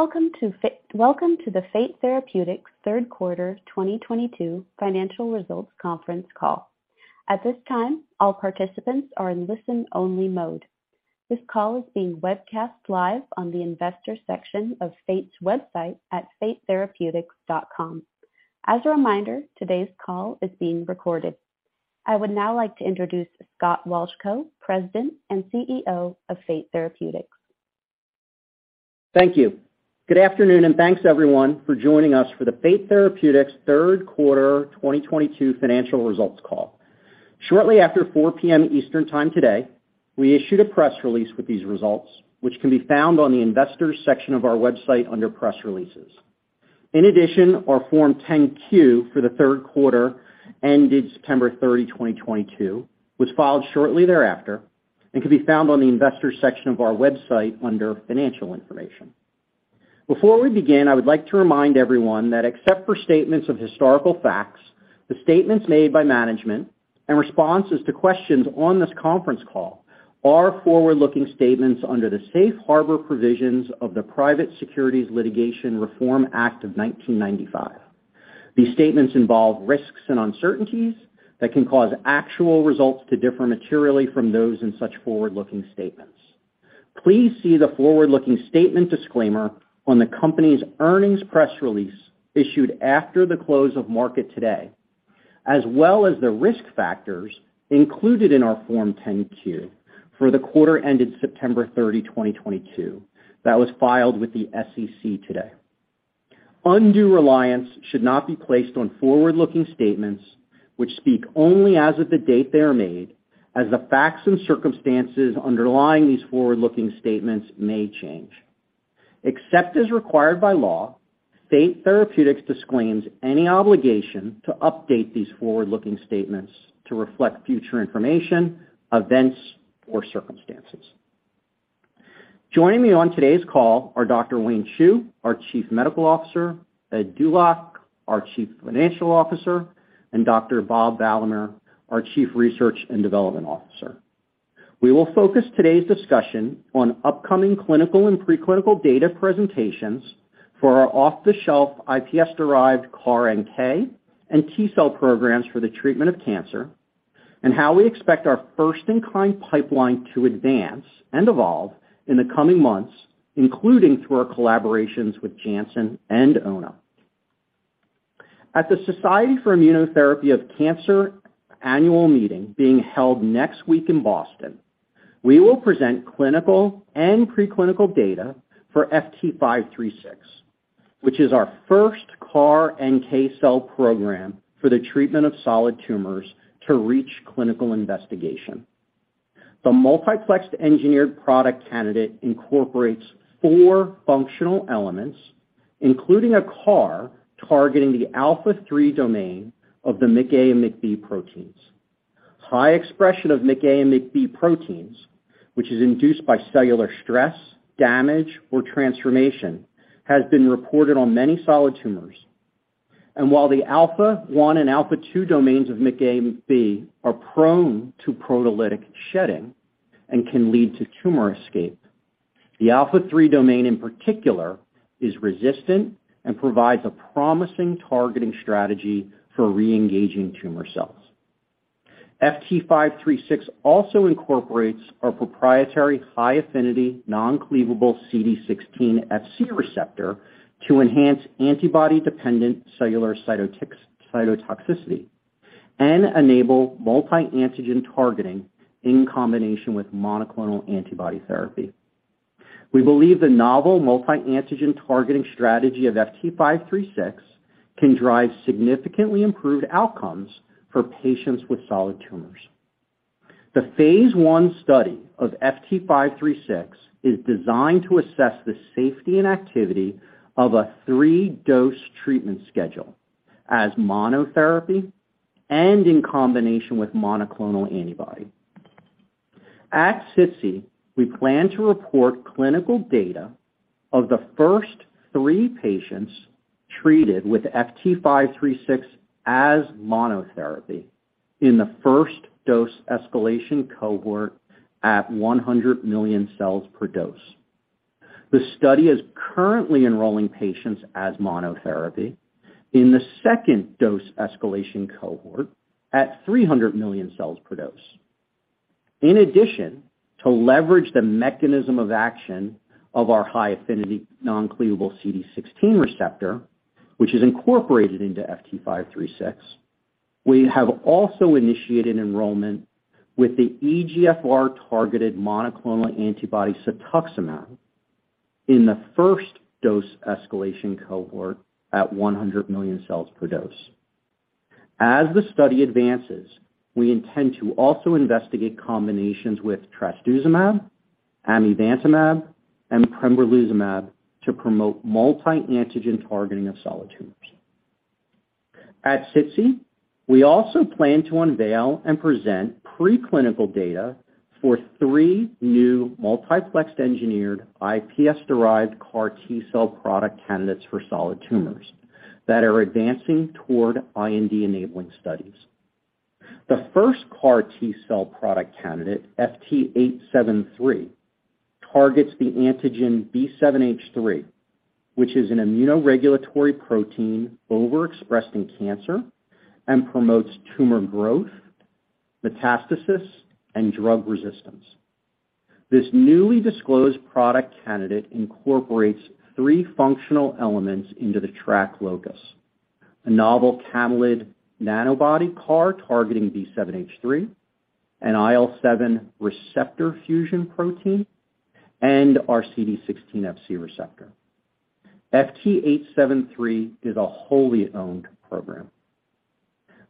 Welcome to the Fate Therapeutics third quarter 2022 financial results conference call. At this time, all participants are in listen-only mode. This call is being webcast live on the investor section of Fate's website at fatetherapeutics.com. As a reminder, today's call is being recorded. I would now like to introduce Scott Wolchko, President and CEO of Fate Therapeutics. Thank you. Good afternoon, and thanks everyone for joining us for the Fate Therapeutics third quarter 2022 financial results call. Shortly after 4:00 P.M. Eastern Time today, we issued a press release with these results, which can be found on the investors section of our website under Press Releases. In addition, our Form 10-Q for the third quarter ended September 30, 2022, was filed shortly thereafter and can be found on the investor section of our website under Financial Information. Before we begin, I would like to remind everyone that except for statements of historical facts, the statements made by management and responses to questions on this conference call are forward-looking statements under the Safe Harbor provisions of the Private Securities Litigation Reform Act of 1995. These statements involve risks and uncertainties that can cause actual results to differ materially from those in such forward-looking statements. Please see the forward-looking statement disclaimer on the company's earnings press release issued after the close of market today, as well as the risk factors included in our Form 10-Q for the quarter ended September 30, 2022, that was filed with the SEC today. Undue reliance should not be placed on forward-looking statements which speak only as of the date they are made, as the facts and circumstances underlying these forward-looking statements may change. Except as required by law, Fate Therapeutics disclaims any obligation to update these forward-looking statements to reflect future information, events, or circumstances. Joining me on today's call are Dr. Wayne Chu, our Chief Medical Officer, Ed Dulac, our Chief Financial Officer, and Dr. Bob Valamehr, our Chief Research and Development Officer. We will focus today's discussion on upcoming clinical and preclinical data presentations for our off-the-shelf iPSC-derived CAR-NK and T-cell programs for the treatment of cancer, and how we expect our first-in-kind pipeline to advance and evolve in the coming months, including through our collaborations with Janssen and Ono. At the Society for Immunotherapy of Cancer Annual Meeting being held next week in Boston, we will present clinical and preclinical data for FT536, which is our first CAR NK cell program for the treatment of solid tumors to reach clinical investigation. The multiplexed engineered product candidate incorporates four functional elements, including a CAR targeting the alpha-3 domain of the MICA and MICB proteins. High expression of MICA and MICB proteins, which is induced by cellular stress, damage, or transformation, has been reported on many solid tumors. While the alpha one and alpha two domains of MICA and MICB are prone to proteolytic shedding and can lead to tumor escape, the alpha three domain in particular is resistant and provides a promising targeting strategy for re-engaging tumor cells. FT536 also incorporates our proprietary high-affinity non-cleavable CD16 Fc receptor to enhance antibody-dependent cellular cytotoxicity and enable multi-antigen targeting in combination with monoclonal antibody therapy. We believe the novel multi-antigen targeting strategy of FT536 can drive significantly improved outcomes for patients with solid tumors. The phase I study of FT536 is designed to assess the safety and activity of a three-dose treatment schedule as monotherapy and in combination with monoclonal antibody. At SITC, we plan to report clinical data of the first three patients treated with FT536 as monotherapy in the first dose escalation cohort at 100 million cells per dose. The study is currently enrolling patients as monotherapy in the second dose escalation cohort at 300 million cells per dose. In addition, to leverage the mechanism of action of our high-affinity non-cleavable CD16 receptor, which is incorporated into FT536, we have also initiated enrollment with the EGFR-targeted monoclonal antibody cetuximab in the first dose escalation cohort at 100 million cells per dose. As the study advances, we intend to also investigate combinations with trastuzumab, amivantamab, and pembrolizumab to promote multi-antigen targeting of solid tumors. At SITC, we also plan to unveil and present preclinical data for three new multiplexed engineered iPSC-derived CAR T-cell product candidates for solid tumors that are advancing toward IND-enabling studies. The first CAR T-cell product candidate, FT873, targets the antigen B7-H3, which is an immunoregulatory protein overexpressed in cancer and promotes tumor growth, metastasis, and drug resistance. This newly disclosed product candidate incorporates three functional elements into the TRAC locus: a novel camelid nanobody CAR targeting B7-H3, an IL-7 receptor fusion protein, and our CD16 Fc receptor. FT873 is a wholly owned program.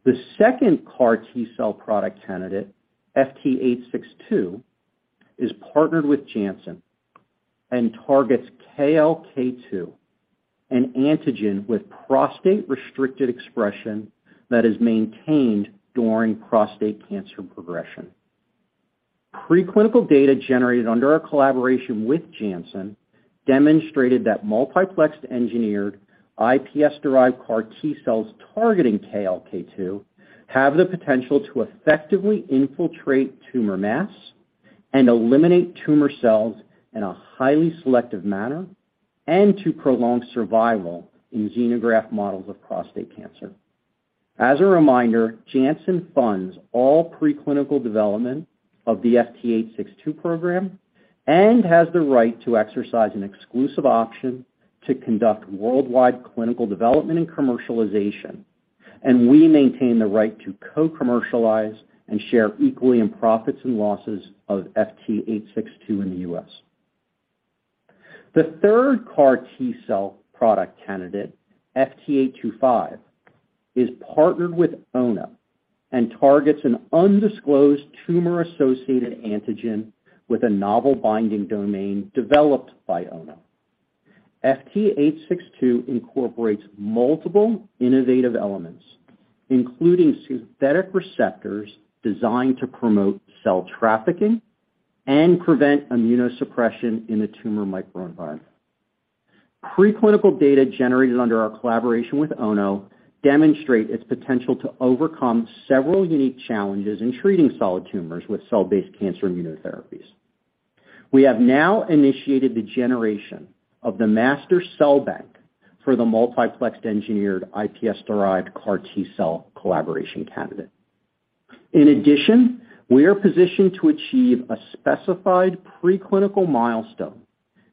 The second CAR T-cell product candidate, FT862, is partnered with Janssen and targets KLK2, an antigen with prostate-restricted expression that is maintained during prostate cancer progression. Preclinical data generated under our collaboration with Janssen demonstrated that multiplexed engineered iPSC-derived CAR T-cells targeting KLK2 have the potential to effectively infiltrate tumor mass and eliminate tumor cells in a highly selective manner and to prolong survival in xenograft models of prostate cancer. As a reminder, Janssen funds all preclinical development of the FT862 program and has the right to exercise an exclusive option to conduct worldwide clinical development and commercialization, and we maintain the right to co-commercialize and share equally in profits and losses of FT862 in the US. The third CAR T-cell product candidate, FT825, is partnered with Ono and targets an undisclosed tumor-associated antigen with a novel binding domain developed by Ono. FT862 incorporates multiple innovative elements, including synthetic receptors designed to promote cell trafficking and prevent immunosuppression in the tumor microenvironment. Preclinical data generated under our collaboration with Ono demonstrate its potential to overcome several unique challenges in treating solid tumors with cell-based cancer immunotherapies. We have now initiated the generation of the master cell bank for the multiplexed engineered iPSC-derived CAR T-cell collaboration candidate. In addition, we are positioned to achieve a specified preclinical milestone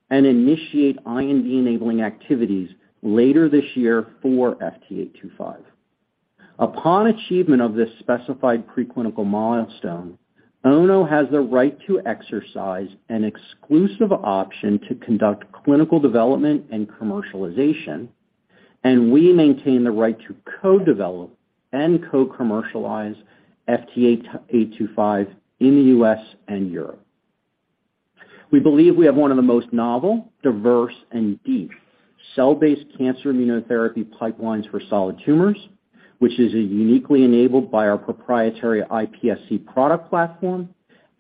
and initiate IND-enabling activities later this year for FT825. Upon achievement of this specified preclinical milestone, Ono has the right to exercise an exclusive option to conduct clinical development and commercialization, and we maintain the right to co-develop and co-commercialize FT825 in the U.S. and Europe. We believe we have one of the most novel, diverse, and deep cell-based cancer immunotherapy pipelines for solid tumors, which is uniquely enabled by our proprietary iPSC product platform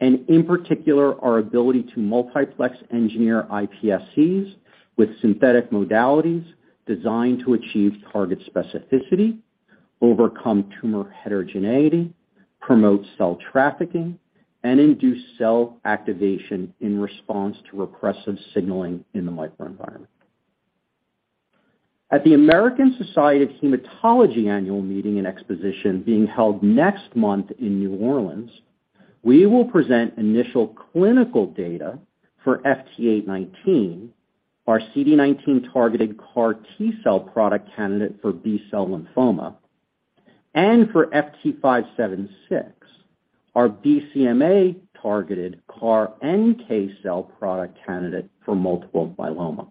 and, in particular, our ability to multiplex engineer iPSCs with synthetic modalities designed to achieve target specificity, overcome tumor heterogeneity, promote cell trafficking, and induce cell activation in response to repressive signaling in the microenvironment. At the American Society of Hematology annual meeting and exposition being held next month in New Orleans, we will present initial clinical data for FT819, our CD19-targeted CAR T-cell product candidate for B-cell lymphoma, and for FT576, our BCMA-targeted CAR NK cell product candidate for multiple myeloma.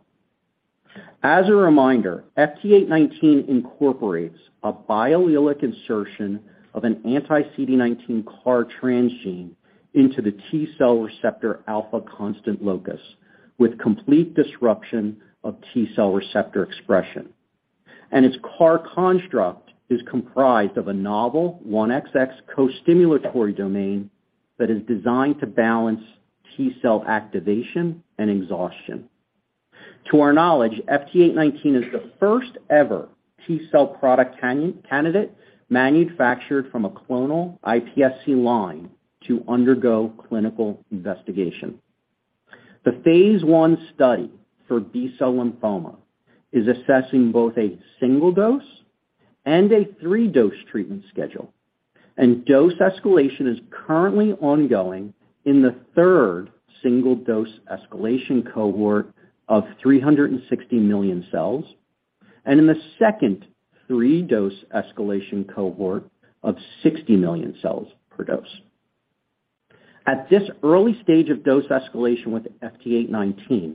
As a reminder, FT819 incorporates a biallelic insertion of an anti-CD19 CAR transgene into the T-cell receptor alpha constant locus with complete disruption of T-cell receptor expression, and its CAR construct is comprised of a novel 1XX co-stimulatory domain that is designed to balance T-cell activation and exhaustion. To our knowledge, FT819 is the first-ever T-cell product candidate manufactured from a clonal iPSC line to undergo clinical investigation. The phase I study for B-cell lymphoma is assessing both a single dose and a three-dose treatment schedule, and dose escalation is currently ongoing in the third single-dose escalation cohort of 360 million cells and in the second three-dose escalation cohort of 60 million cells per dose. At this early stage of dose escalation with FT819,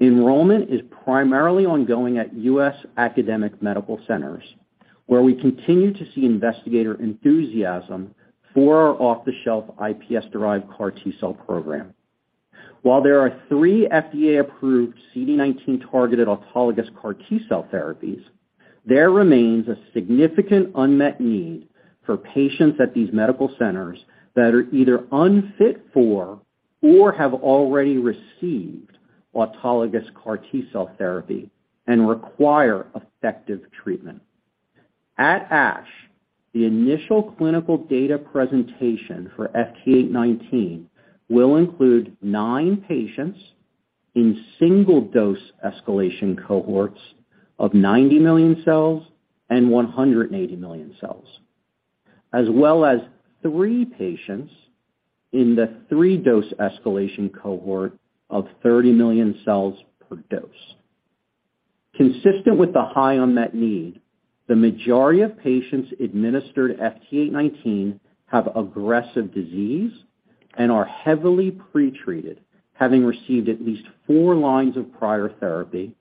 enrollment is primarily ongoing at U.S. academic medical centers, where we continue to see investigator enthusiasm for our off-the-shelf iPSC-derived CAR T-cell program. While there are three FDA-approved CD19-targeted autologous CAR T-cell therapies, there remains a significant unmet need for patients at these medical centers that are either unfit for or have already received autologous CAR T-cell therapy and require effective treatment. At ASH, the initial clinical data presentation for FT819 will include nine patients in single-dose escalation cohorts of 90 million cells and 180 million cells, as well as three patients in the three-dose escalation cohort of 30 million cells per dose. Consistent with the high unmet need, the majority of patients administered FT819 have aggressive disease and are heavily pretreated, having received at least four lines of prior therapy,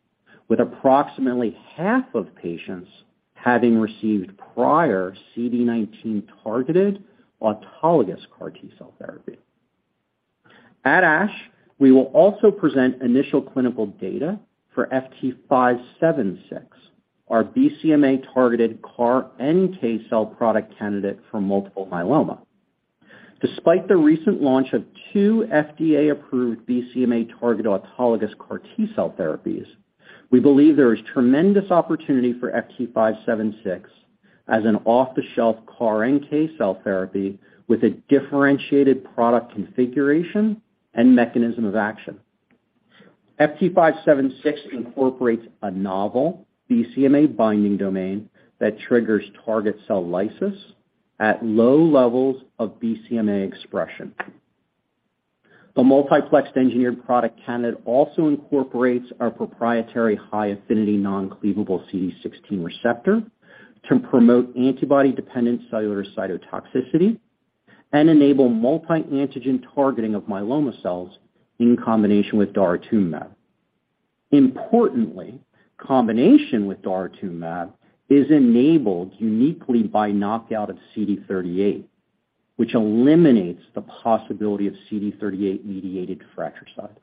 with approximately half of patients having received prior CD19-targeted autologous CAR T-cell therapy. At ASH, we will also present initial clinical data for FT576, our BCMA-targeted CAR NK cell product candidate for multiple myeloma. Despite the recent launch of two FDA-approved BCMA-targeted autologous CAR T-cell therapies, we believe there is tremendous opportunity for FT576 as an off-the-shelf CAR NK cell therapy with a differentiated product configuration and mechanism of action. FT576 incorporates a novel BCMA binding domain that triggers target cell lysis at low levels of BCMA expression. The multiplexed engineered product candidate also incorporates our proprietary high-affinity non-cleavable CD16 receptor to promote antibody-dependent cellular cytotoxicity and enable multi-antigen targeting of myeloma cells in combination with daratumumab. Importantly, combination with daratumumab is enabled uniquely by knockout of CD38, which eliminates the possibility of CD38-mediated fratricide.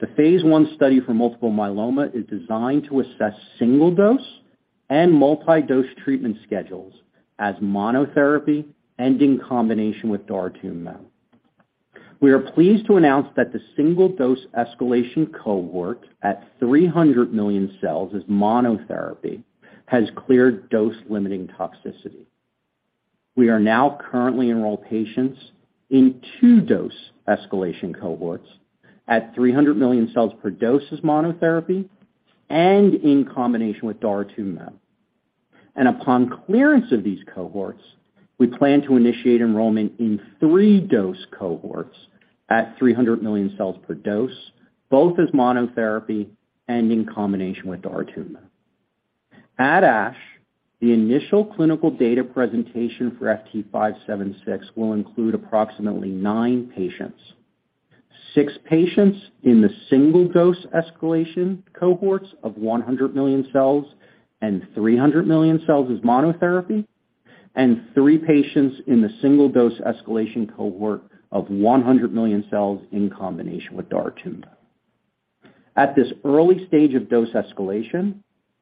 The phase I study for multiple myeloma is designed to assess single-dose and multi-dose treatment schedules as monotherapy and in combination with daratumumab. We are pleased to announce that the single-dose escalation cohort at 300 million cells as monotherapy has cleared dose-limiting toxicity. We are now currently enrolled patients in two-dose escalation cohorts at 300 million cells per dose as monotherapy and in combination with daratumumab. Upon clearance of these cohorts, we plan to initiate enrollment in three-dose cohorts at 300 million cells per dose, both as monotherapy and in combination with daratumumab. At ASH, the initial clinical data presentation for FT576 will include approximately nine patients. Six patients in the single-dose escalation cohorts of 100 million cells and 300 million cells as monotherapy, and three patients in the single-dose escalation cohort of 100 million cells in combination with daratumumab. At this early stage of dose escalation,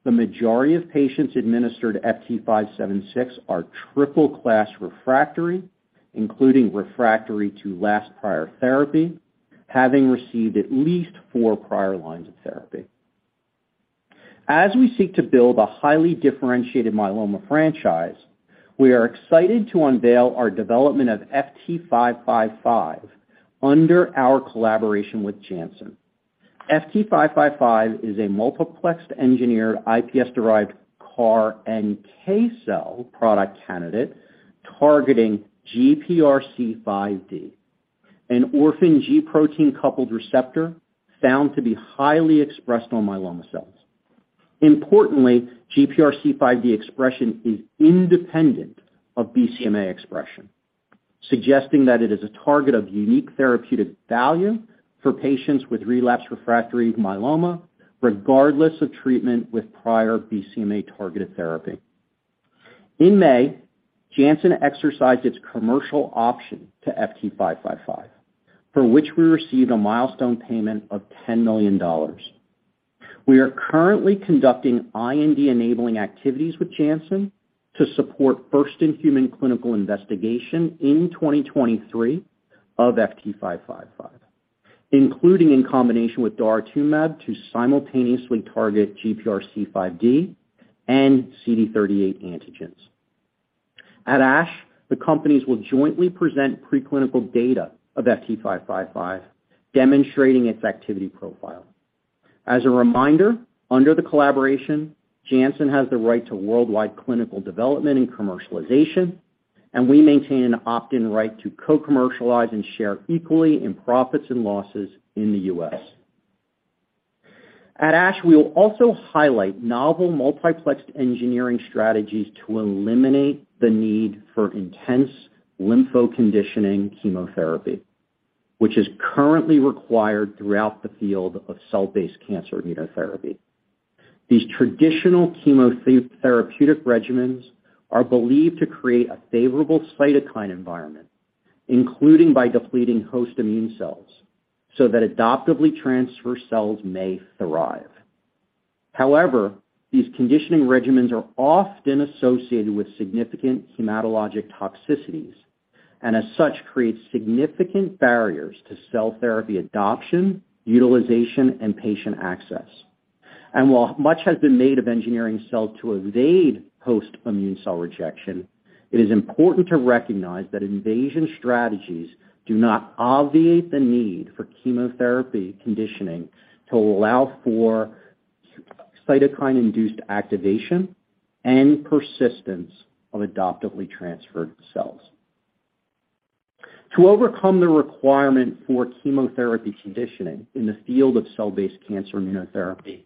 the majority of patients administered FT576 are triple class refractory, including refractory to last prior therapy, having received at least four prior lines of therapy. As we seek to build a highly differentiated myeloma franchise, we are excited to unveil our development of FT555 under our collaboration with Janssen. FT555 is a multiplexed engineered iPSC-derived CAR NK cell product candidate targeting GPRC5D, an orphan G protein-coupled receptor found to be highly expressed on myeloma cells. Importantly, GPRC5D expression is independent of BCMA expression, suggesting that it is a target of unique therapeutic value for patients with relapsed/refractory myeloma, regardless of treatment with prior BCMA-targeted therapy. In May, Janssen exercised its commercial option to FT555, for which we received a milestone payment of $10 million. We are currently conducting IND-enabling activities with Janssen to support first-in-human clinical investigation in 2023 of FT555, including in combination with daratumumab to simultaneously target GPRC5D and CD38 antigens. At ASH, the companies will jointly present preclinical data of FT555, demonstrating its activity profile. As a reminder, under the collaboration, Janssen has the right to worldwide clinical development and commercialization, and we maintain an opt-in right to co-commercialize and share equally in profits and losses in the U.S. At ASH, we will also highlight novel multiplexed engineering strategies to eliminate the need for intense lymphodepleting conditioning chemotherapy, which is currently required throughout the field of cell-based cancer immunotherapy. These traditional chemotherapeutic regimens are believed to create a favorable cytokine environment, including by depleting host immune cells so that adoptively transferred cells may thrive. However, these conditioning regimens are often associated with significant hematologic toxicities and as such, create significant barriers to cell therapy adoption, utilization, and patient access. While much has been made of engineering cells to evade host immune cell rejection, it is important to recognize that evasion strategies do not obviate the need for chemotherapy conditioning to allow for cytokine-induced activation and persistence of adoptively transferred cells. To overcome the requirement for chemotherapy conditioning in the field of cell-based cancer immunotherapy,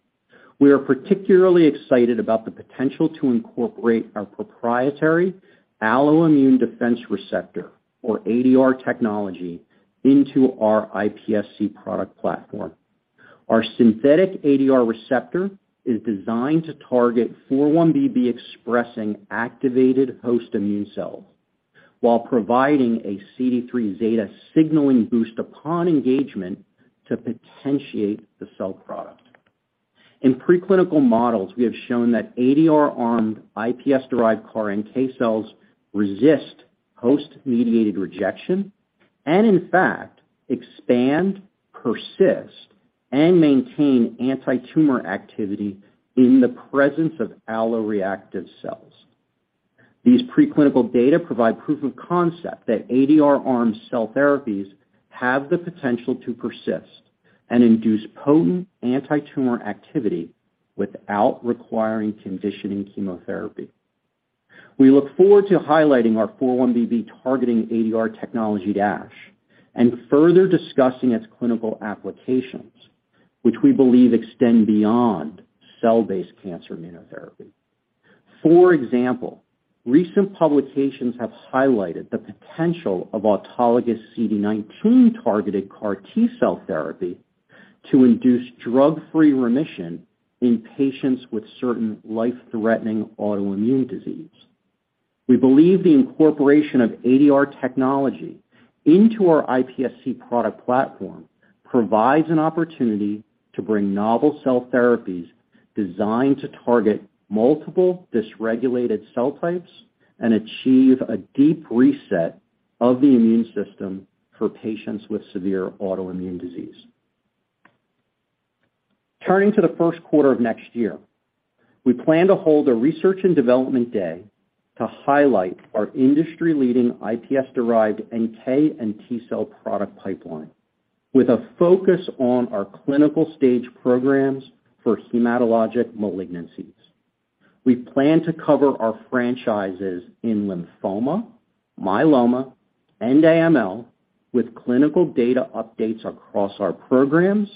we are particularly excited about the potential to incorporate our proprietary alloimmune defense receptor, or ADR technology, into our iPSC product platform. Our synthetic ADR receptor is designed to target 4-1BB expressing activated host immune cells while providing a CD3 zeta signaling boost upon engagement to potentiate the cell product. In preclinical models, we have shown that ADR armed iPSC-derived CAR NK cells resist host-mediated rejection and in fact expand, persist, and maintain antitumor activity in the presence of alloreactive cells. These preclinical data provide proof of concept that ADR armed cell therapies have the potential to persist and induce potent antitumor activity without requiring conditioning chemotherapy. We look forward to highlighting our 4-1BB targeting ADR technology and further discussing its clinical applications, which we believe extend beyond cell-based cancer immunotherapy. For example, recent publications have highlighted the potential of autologous CD19-targeted CAR T-cell therapy to induce drug-free remission in patients with certain life-threatening autoimmune disease. We believe the incorporation of ADR technology into our iPSC product platform provides an opportunity to bring novel cell therapies designed to target multiple dysregulated cell types and achieve a deep reset of the immune system for patients with severe autoimmune disease. Turning to the first quarter of next year, we plan to hold a research and development day to highlight our industry-leading iPSC-derived NK and T-cell product pipeline with a focus on our clinical stage programs for hematologic malignancies. We plan to cover our franchises in lymphoma, myeloma, and AML with clinical data updates across our programs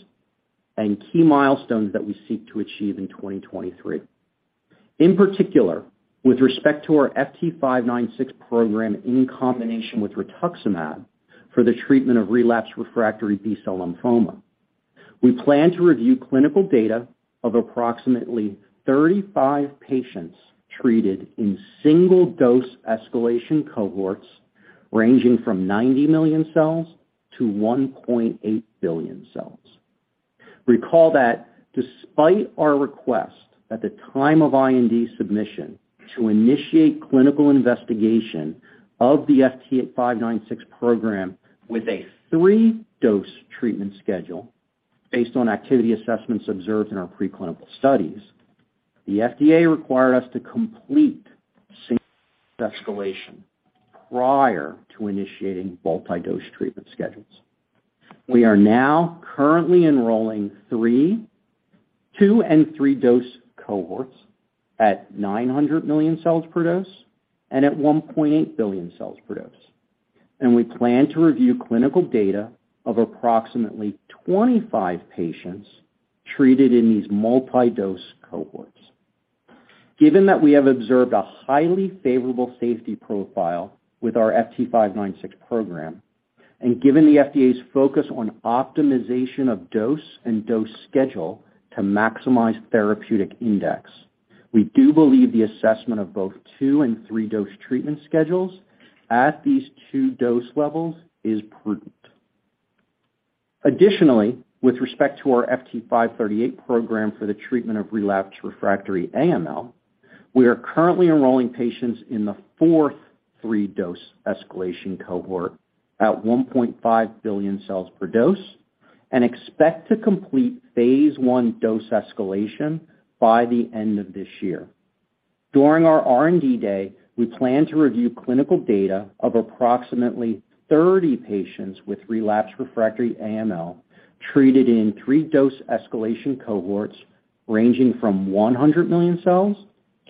and key milestones that we seek to achieve in 2023. In particular, with respect to our FT596 program in combination with rituximab for the treatment of relapsed refractory B-cell lymphoma, we plan to review clinical data of approximately 35 patients treated in single-dose escalation cohorts ranging from 90 million cells to 1.8 billion cells. Recall that despite our request at the time of IND submission to initiate clinical investigation of the FT596 program with a three-dose treatment schedule based on activity assessments observed in our preclinical studies, the FDA required us to complete single-dose escalation prior to initiating multi-dose treatment schedules. We are now currently enrolling three-, two-, and three-dose cohorts at 900 million cells per dose and at 1.8 billion cells per dose, and we plan to review clinical data of approximately 25 patients treated in these multi-dose cohorts. Given that we have observed a highly favorable safety profile with our FT596 program and given the FDA's focus on optimization of dose and dose schedule to maximize therapeutic index, we do believe the assessment of both two- and three-dose treatment schedules at these two dose levels is prudent. Additionally, with respect to our FT538 program for the treatment of relapsed/refractory AML, we are currently enrolling patients in the fourth three-dose escalation cohort at 1.5 billion cells per dose and expect to complete phase I dose escalation by the end of this year. During our R&D day, we plan to review clinical data of approximately 30 patients with relapsed/refractory AML treated in three-dose escalation cohorts ranging from 100 million cells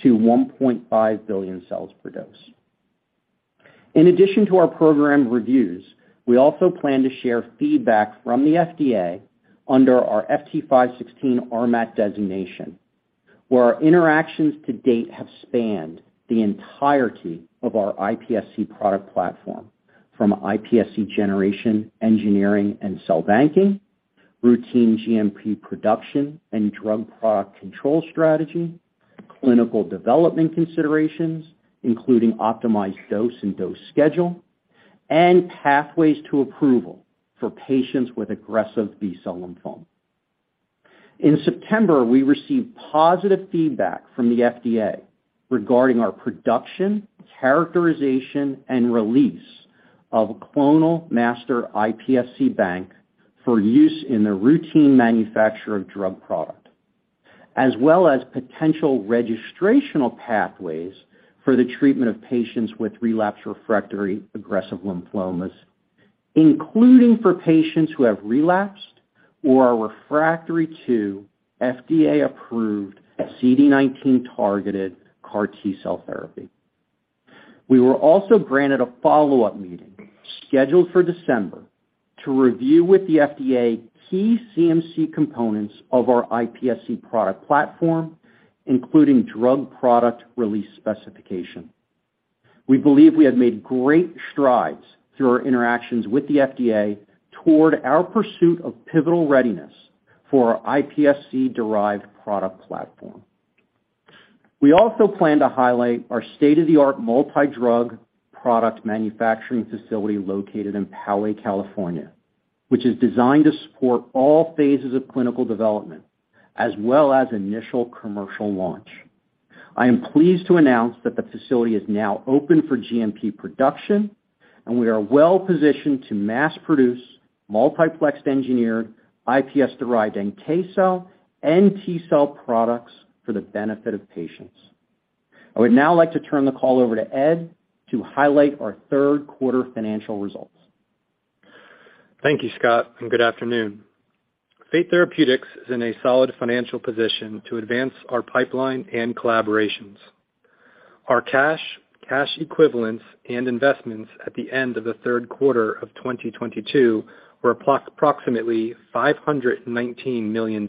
to 1.5 billion cells per dose. In addition to our program reviews, we also plan to share feedback from the FDA under our FT516 RMAT designation, where our interactions to date have spanned the entirety of our iPSC product platform from iPSC generation, engineering, and cell banking, routine GMP production and drug product control strategy, clinical development considerations, including optimized dose and dose schedule, and pathways to approval for patients with aggressive B-cell lymphoma. In September, we received positive feedback from the FDA regarding our production, characterization, and release of clonal master iPSC bank for use in the routine manufacture of drug product, as well as potential registrational pathways for the treatment of patients with relapsed refractory aggressive lymphomas, including for patients who have relapsed or are refractory to FDA-approved CD19-targeted CAR T-cell therapy. We were also granted a follow-up meeting scheduled for December to review with the FDA key CMC components of our iPSC product platform, including drug product release specification. We believe we have made great strides through our interactions with the FDA toward our pursuit of pivotal readiness for our iPSC-derived product platform. We also plan to highlight our state-of-the-art multi-drug product manufacturing facility located in Poway, California, which is designed to support all phases of clinical development as well as initial commercial launch. I am pleased to announce that the facility is now open for GMP production, and we are well-positioned to mass-produce multiplexed engineered iPSC-derived NK cell and T-cell products for the benefit of patients. I would now like to turn the call over to Ed to highlight our third quarter financial results. Thank you, Scott, and good afternoon. Fate Therapeutics is in a solid financial position to advance our pipeline and collaborations. Our cash equivalents, and investments at the end of the third quarter of 2022 were approximately $519 million.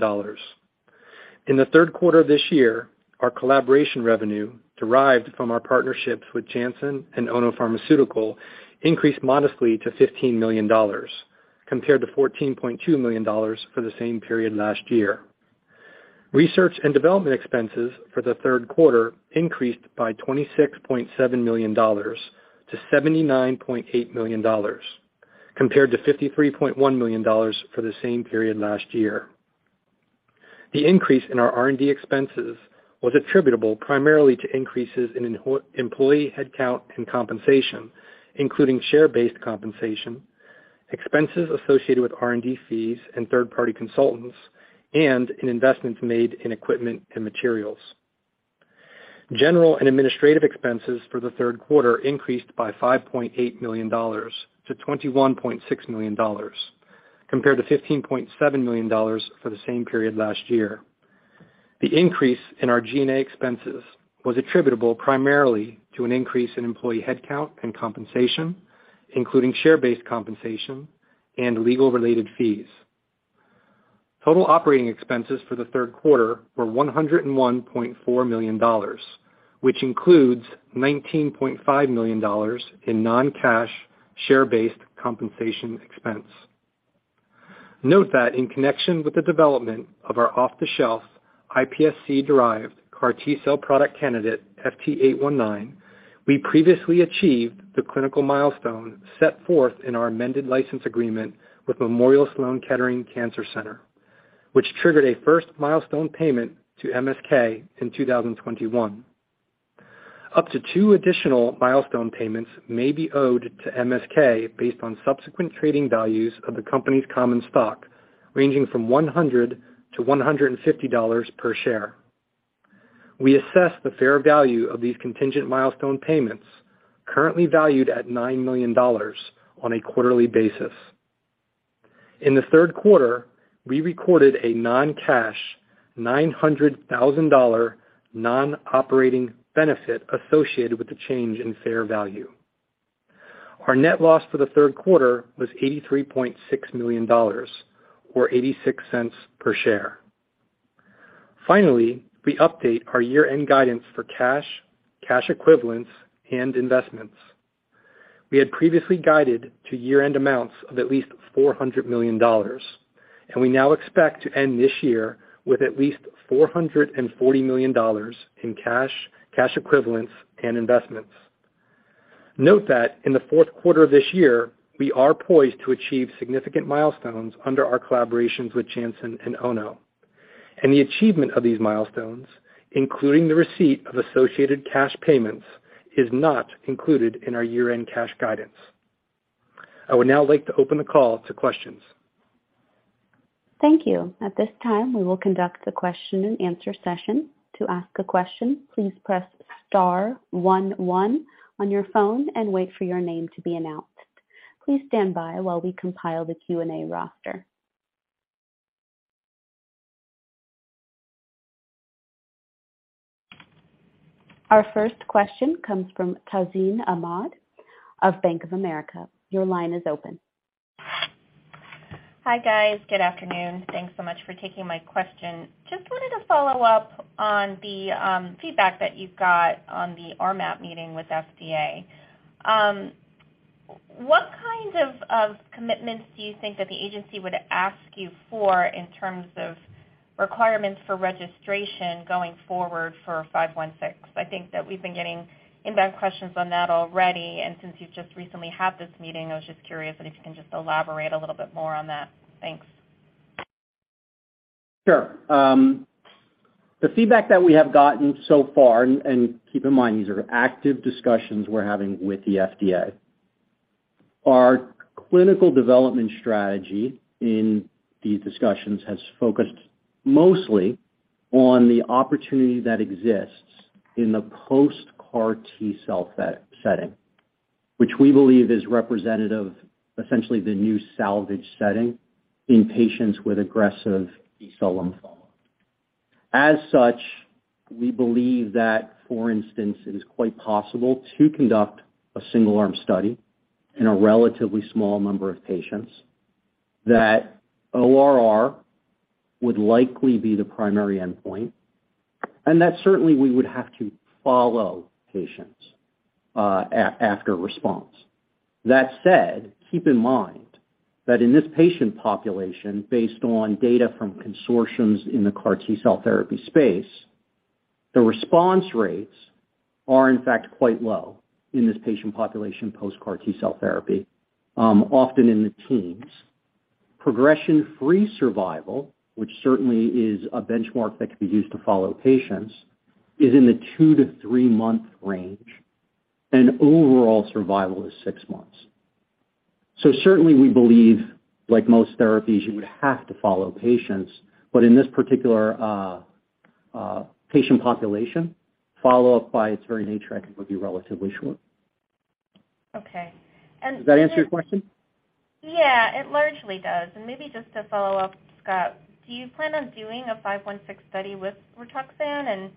In the third quarter of this year, our collaboration revenue derived from our partnerships with Janssen and Ono Pharmaceutical increased modestly to $15 million compared to $14.2 million for the same period last year. Research and development expenses for the third quarter increased by $26.7 million to $79.8 million compared to $53.1 million for the same period last year. The increase in our R&D expenses was attributable primarily to increases in employee headcount and compensation, including share-based compensation, expenses associated with R&D fees and third-party consultants, and in investments made in equipment and materials. General and administrative expenses for the third quarter increased by $5.8 million to $21.6 million compared to $15.7 million for the same period last year. The increase in our G&A expenses was attributable primarily to an increase in employee headcount and compensation, including share-based compensation and legal-related fees. Total operating expenses for the third quarter were $101.4 million, which includes $19.5 million in non-cash share-based compensation expense. Note that in connection with the development of our off-the-shelf iPSC-derived CAR T-cell product candidate FT819, we previously achieved the clinical milestone set forth in our amended license agreement with Memorial Sloan Kettering Cancer Center, which triggered a first milestone payment to MSK in 2021. Up to two additional milestone payments may be owed to MSK based on subsequent trading values of the company's common stock ranging from $100-$150 per share. We assess the fair value of these contingent milestone payments currently valued at $9 million on a quarterly basis. In the third quarter, we recorded a non-cash $900,000 non-operating benefit associated with the change in fair value. Our net loss for the third quarter was $83.6 million or $0.86 per share. Finally, we update our year-end guidance for cash equivalents, and investments. We had previously guided to year-end amounts of at least $400 million, and we now expect to end this year with at least $440 million in cash equivalents, and investments. Note that in the fourth quarter of this year, we are poised to achieve significant milestones under our collaborations with Janssen and Ono. The achievement of these milestones, including the receipt of associated cash payments, is not included in our year-end cash guidance. I would now like to open the call to questions. Thank you. At this time, we will conduct the question-and-answer session. To ask a question, please press star one one on your phone and wait for your name to be announced. Please stand by while we compile the Q&A roster. Our first question comes from Tazeen Ahmad of Bank of America. Your line is open. Hi, guys. Good afternoon. Thanks so much for taking my question. Just wanted to follow up on the feedback that you've got on the RMAT meeting with FDA. What kind of commitments do you think that the agency would ask you for in terms of requirements for registration going forward for FT516? I think that we've been getting inbound questions on that already, and since you've just recently had this meeting, I was just curious if you can just elaborate a little bit more on that. Thanks. Sure. The feedback that we have gotten so far, and keep in mind, these are active discussions we're having with the FDA. Our clinical development strategy in these discussions has focused mostly on the opportunity that exists in the post-CAR T-cell setting, which we believe is representative of essentially the new salvage setting in patients with aggressive B-cell lymphoma. As such, we believe that, for instance, it is quite possible to conduct a single-arm study in a relatively small number of patients, that ORR would likely be the primary endpoint, and that certainly we would have to follow patients after response. That said, keep in mind that in this patient population, based on data from consortiums in the CAR T-cell therapy space, the response rates are in fact quite low in this patient population post-CAR T-cell therapy, often in the teens. Progression-free survival, which certainly is a benchmark that could be used to follow patients, is in the two-three-month range, and overall survival is six months. Certainly we believe, like most therapies, you would have to follow patients, but in this particular patient population, follow-up by its very nature, I think, would be relatively short. Okay. Does that answer your question? Yeah, it largely does. Maybe just to follow up, Scott, do you plan on doing a FT516 study with RITUXAN?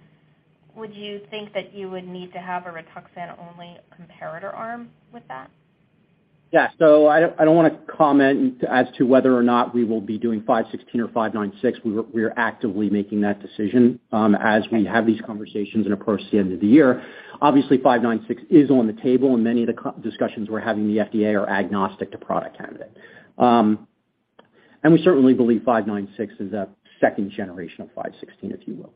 Would you think that you would need to have a RITUXAN-only comparator arm with that? Yeah. I don't wanna comment as to whether or not we will be doing FT516 or FT596. We are actively making that decision as we have these conversations and approach the end of the year. Obviously, FT596 is on the table, and many of the discussions we're having with the FDA are agnostic to product candidate. We certainly believe FT596 is a second generation of FT516, if you will.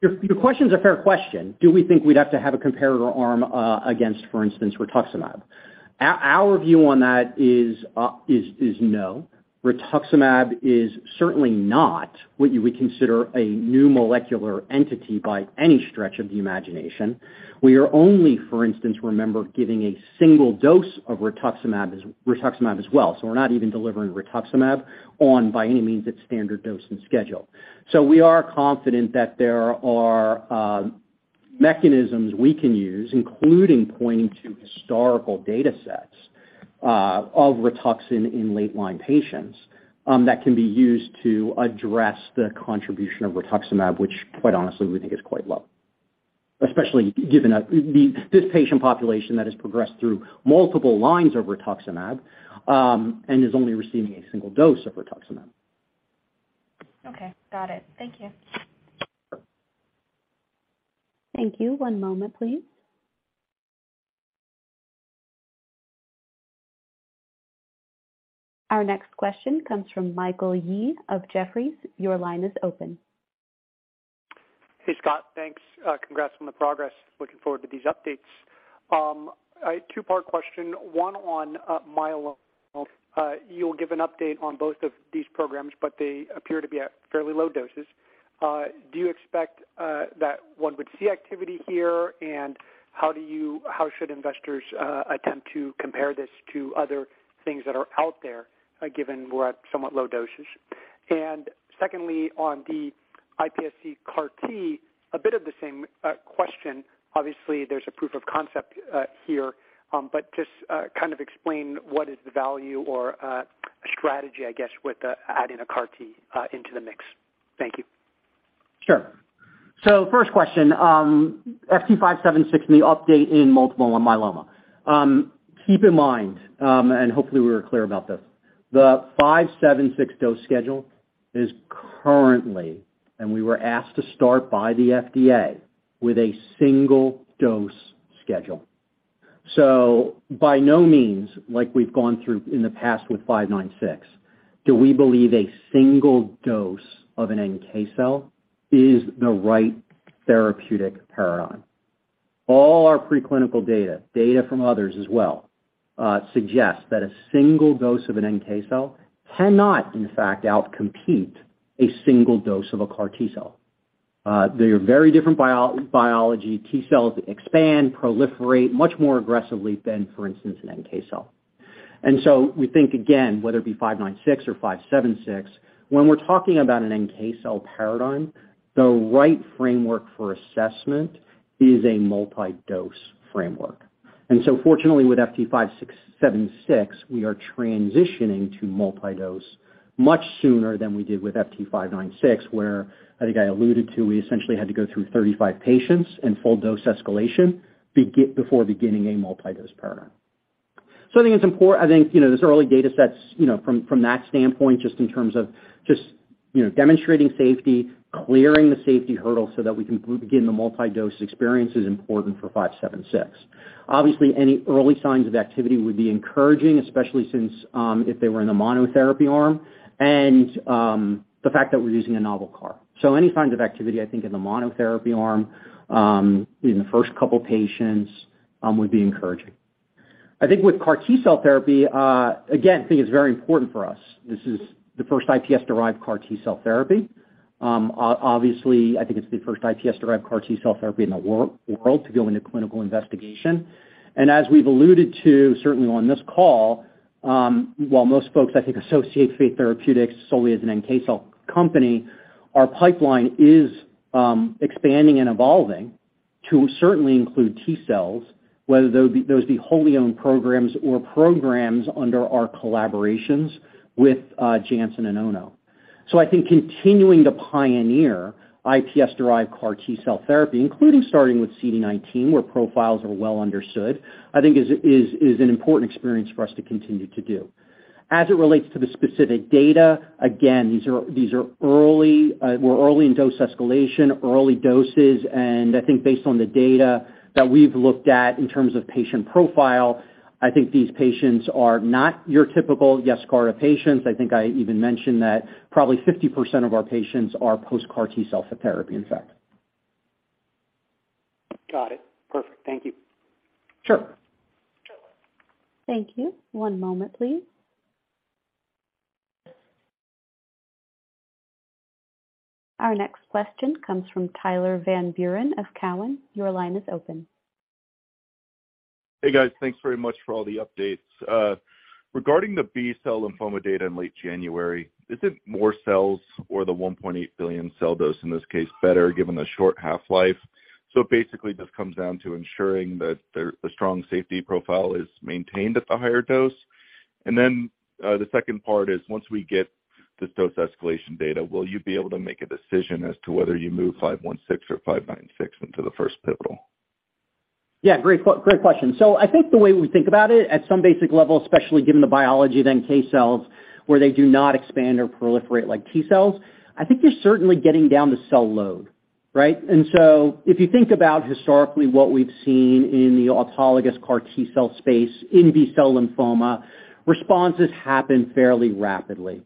Your question's a fair question. Do we think we'd have to have a comparator arm against, for instance, rituximab? Our view on that is no. Rituximab is certainly not what you would consider a new molecular entity by any stretch of the imagination. We are only, for instance, remember, giving a single dose of rituximab as well. We're not even delivering rituximab, by any means, its standard dose and schedule. We are confident that there are mechanisms we can use, including pointing to historical data sets of RITUXAN in late-line patients, that can be used to address the contribution of rituximab, which quite honestly we think is quite low, especially given this patient population that has progressed through multiple lines of rituximab, and is only receiving a single dose of rituximab. Okay. Got it. Thank you. Thank you. One moment, please. Our next question comes from Michael Yee of Jefferies. Your line is open. Hey, Scott. Thanks. Congrats on the progress. Looking forward to these updates. I have a two-part question, one on myeloma. You'll give an update on both of these programs, but they appear to be at fairly low doses. Do you expect that one would see activity here? And how should investors attempt to compare this to other things that are out there, given we're at somewhat low doses? And secondly, on the iPSC CAR T, a bit of the same question. Obviously, there's a proof of concept here, but just kind of explain what is the value or strategy, I guess, with adding a CAR T into the mix. Thank you. Sure. First question, FT576 and the update in multiple myeloma. Keep in mind, and hopefully we were clear about this, the FT576 dose schedule is currently, and we were asked to start by the FDA, with a single dose schedule. By no means, like we've gone through in the past with FT596, do we believe a single dose of an NK cell is the right therapeutic paradigm. All our preclinical data from others as well, suggests that a single dose of an NK cell cannot, in fact, outcompete a single dose of a CAR T-cell. They are very different biology. T-cells expand, proliferate much more aggressively than, for instance, an NK cell. We think, again, whether it be FT596 or FT576, when we're talking about an NK cell paradigm, the right framework for assessment is a multi-dose framework. Fortunately, with FT576, we are transitioning to multi-dose much sooner than we did with FT596, where I think I alluded to, we essentially had to go through 35 patients in full dose escalation before beginning a multi-dose paradigm. I think, you know, these early data sets, you know, from that standpoint, just in terms of demonstrating safety, clearing the safety hurdle so that we can begin the multi-dose experience is important for FT576. Obviously, any early signs of activity would be encouraging, especially since, if they were in a monotherapy arm and, the fact that we're using a novel CAR. Any signs of activity, I think in the monotherapy arm, in the first couple patients, would be encouraging. I think with CAR T-cell therapy, again, I think it's very important for us. This is the first iPSC-derived CAR T-cell therapy. Obviously, I think it's the first iPSC-derived CAR T-cell therapy in the world to go into clinical investigation. As we've alluded to, certainly on this call, while most folks, I think, associate Fate Therapeutics solely as an NK cell company, our pipeline is, expanding and evolving to certainly include T-cells, whether those be wholly owned programs or programs under our collaborations with, Janssen and Ono. I think continuing to pioneer iPSC-derived CAR T-cell therapy, including starting with CD19, where profiles are well understood, I think is an important experience for us to continue to do. As it relates to the specific data, again, these are early, we're early in dose escalation, early doses, and I think based on the data that we've looked at in terms of patient profile, I think these patients are not your typical YESCARTA patients. I think I even mentioned that probably 50% of our patients are post-CAR T-cell therapy, in fact. Got it. Perfect. Thank you. Sure. Thank you. One moment, please. Our next question comes from Tyler Van Buren of Cowen. Your line is open. Hey, guys. Thanks very much for all the updates. Regarding the B-cell lymphoma data in late January, isn't more cells or the 1.8 billion cell dose in this case better given the short half-life? Basically, this comes down to ensuring that the strong safety profile is maintained at the higher dose. The second part is, once we get this dose escalation data, will you be able to make a decision as to whether you move FT516 or FT596 into the first pivotal? Yeah, great question. I think the way we think about it at some basic level, especially given the biology of NK cells, where they do not expand or proliferate like T-cells, I think you're certainly getting down the cell load, right? If you think about historically what we've seen in the autologous CAR T-cell space in B-cell lymphoma, responses happen fairly rapidly.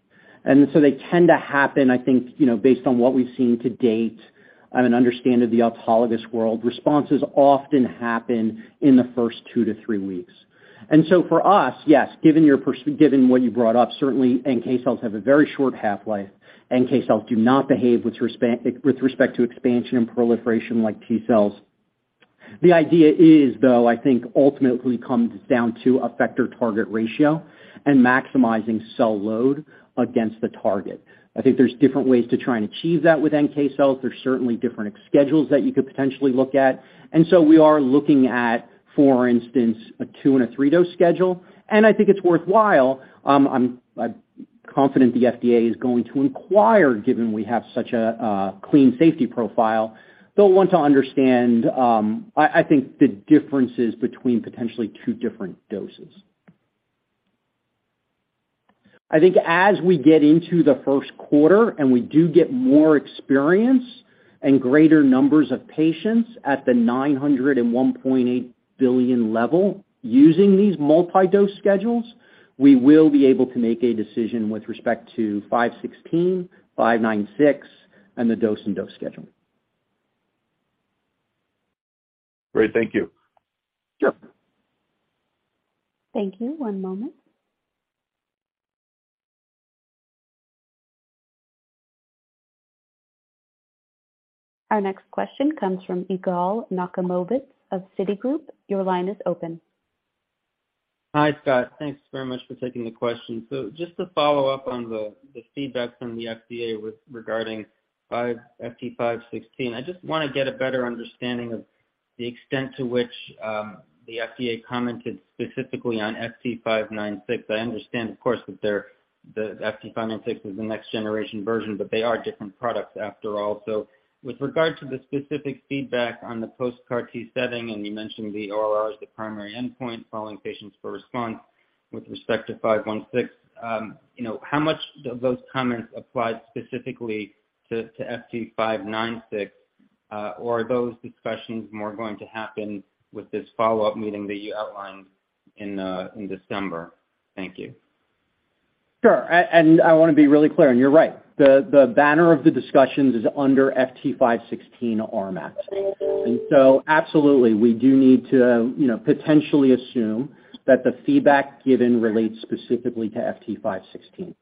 They tend to happen, I think, you know, based on what we've seen to date and an understanding of the autologous world, responses often happen in the first two to three weeks. For us, yes, given what you brought up, certainly NK cells have a very short half-life. NK cells do not behave with respect to expansion and proliferation like T-cells. The idea is, though, I think ultimately comes down to effector target ratio and maximizing cell load against the target. I think there's different ways to try and achieve that with NK cells. There's certainly different schedules that you could potentially look at. We are looking at, for instance, a two- and three-dose schedule. I think it's worthwhile, I'm confident the FDA is going to inquire, given we have such a clean safety profile. They'll want to understand, I think the differences between potentially two different doses. I think as we get into the first quarter and we do get more experience and greater numbers of patients at the $901.8 billion level using these multi-dose schedules, we will be able to make a decision with respect to FT516, FT596 and the dose and dose scheduling. Great. Thank you. Sure. Thank you. One moment. Our next question comes from Yigal Nochomovitz of Citigroup. Your line is open. Hi, Scott. Thanks very much for taking the question. Just to follow up on the feedback from the FDA regarding FT516, I just wanna get a better understanding of the extent to which the FDA commented specifically on FT596. I understand, of course, that the FT596 is the next generation version, but they are different products after all. With regard to the specific feedback on the post-CAR T setting, and you mentioned the ORR as the primary endpoint, following patients for response with respect to FT516, you know, how much do those comments apply specifically to FT596? Or are those discussions more going to happen with this follow-up meeting that you outlined in December? Thank you. Sure. I wanna be really clear, and you're right. The banner of the discussions is under FT516 RMAT. Absolutely, we do need to, you know, potentially assume that the feedback given relates specifically to FT516.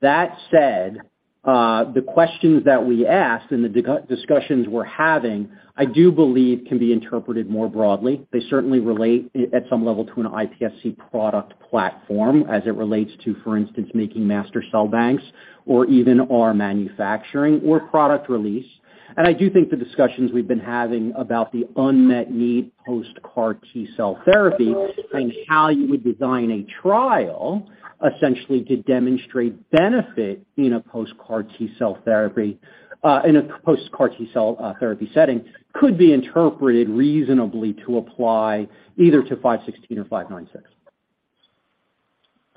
That said, the questions that we asked and the discussions we're having, I do believe can be interpreted more broadly. They certainly relate at some level to an iPSC product platform as it relates to, for instance, making master cell banks or even our manufacturing or product release. I do think the discussions we've been having about the unmet need post-CAR T-cell therapy and how you would design a trial essentially to demonstrate benefit in a post-CAR T-cell therapy setting could be interpreted reasonably to apply either to FT516 or FT596.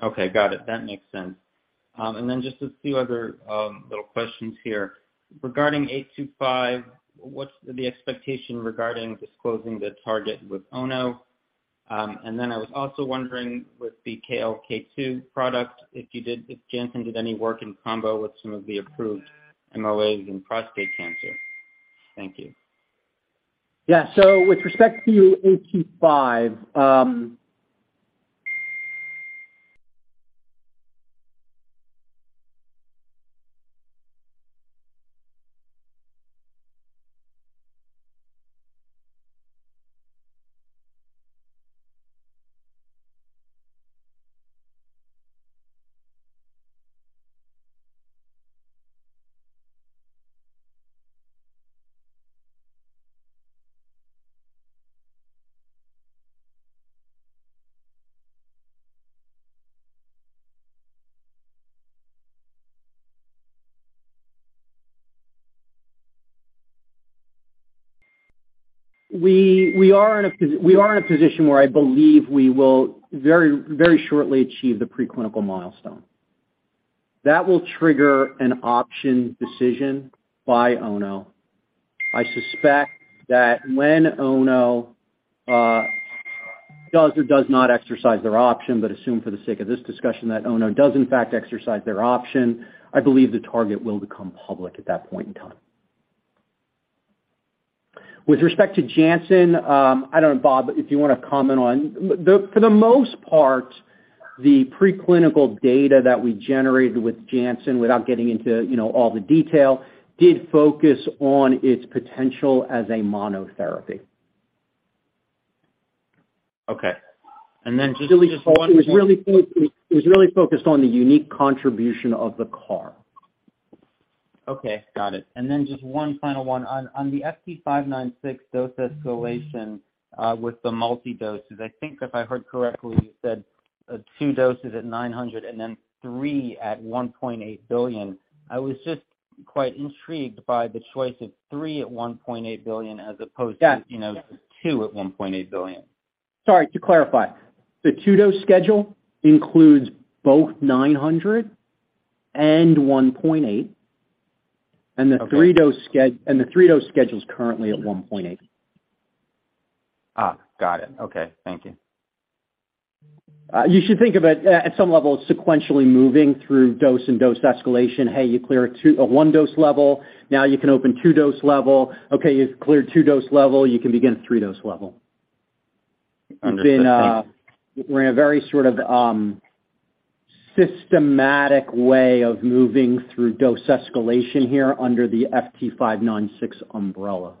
Okay, got it. That makes sense. Just a few other little questions here. Regarding FT825, what's the expectation regarding disclosing the target with Ono? I was also wondering with the KLK2 product, if Janssen did any work in combo with some of the approved MOAs in prostate cancer. Thank you. With respect to FT825, we are in a position where I believe we will very, very shortly achieve the preclinical milestone. That will trigger an option decision by Ono. I suspect that when Ono does or does not exercise their option, assume for the sake of this discussion that Ono does in fact exercise their option, I believe the target will become public at that point in time. With respect to Janssen, I don't know, Bob, if you wanna comment on. For the most part, the preclinical data that we generated with Janssen, without getting into all the detail, did focus on its potential as a monotherapy. Okay. Just- It was really focused on the unique contribution of the CAR. Okay, got it. Just one final one. On the FT596 dose escalation with the multi doses, I think if I heard correctly, you said two doses at 900 and then three at 1.8 billion. I was just quite intrigued by the choice of three at 1.8 billion as opposed to. Yeah. You know, 2.8 billion. Sorry, to clarify, the two-dose schedule includes both 900 and 1.8, and the three-dose schedule is currently at 1.8. Got it. Okay, thank you. You should think of it at some level sequentially moving through dose and dose escalation. Hey, you clear a one-dose level, now you can open two-dose level. Okay, you've cleared two-dose level, you can begin a three-dose level. Understood. Thank you. We're in a very sort of systematic way of moving through dose escalation here under the FT596 umbrella.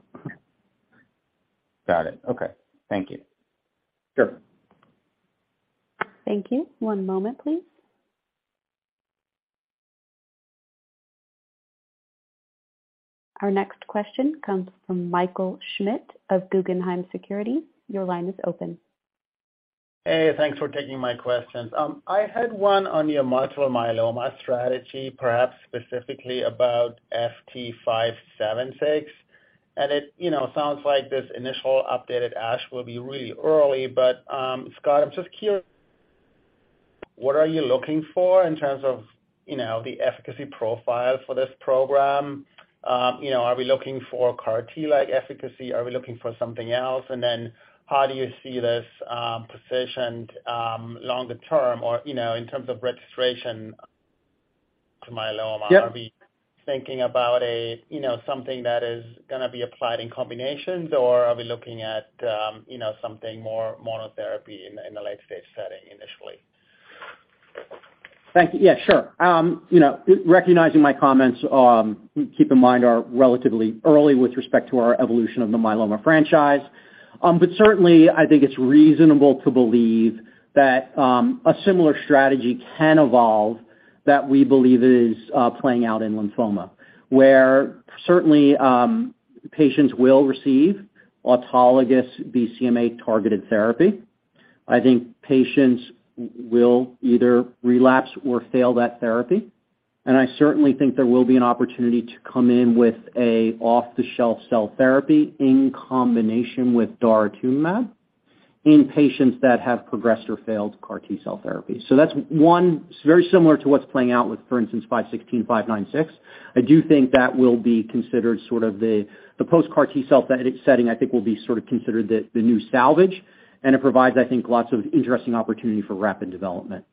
Got it. Okay. Thank you. Sure. Thank you. One moment, please. Our next question comes from Michael Schmidt of Guggenheim Securities. Your line is open. Hey, thanks for taking my questions. I had one on your multiple myeloma strategy, perhaps specifically about FT576. It, you know, sounds like this initial updated ASH will be really early. Scott, I'm just curious, what are you looking for in terms of, you know, the efficacy profile for this program? You know, are we looking for CAR T-like efficacy? Are we looking for something else? And then how do you see this positioned longer term or, you know, in terms of registration to myeloma? Yeah. Are we thinking about a, you know, something that is gonna be applied in combinations, or are we looking at, you know, something more monotherapy in a late-stage setting initially? Thank you. Yeah, sure. You know, recognizing my comments, keep in mind are relatively early with respect to our evolution of the myeloma franchise. Certainly I think it's reasonable to believe that, a similar strategy can evolve that we believe is, playing out in lymphoma, where certainly, patients will receive autologous BCMA targeted therapy. I think patients will either relapse or fail that therapy, and I certainly think there will be an opportunity to come in with an off-the-shelf cell therapy in combination with daratumumab in patients that have progressed or failed CAR T-cell therapy. That's one very similar to what's playing out with, for instance, 516, 596. I do think that will be considered sort of the, the post-CAR T-cell setting, I think, will be sort of considered the new salvage, and it provides, I think, lots of interesting opportunity for rapid development.